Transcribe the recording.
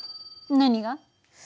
何が？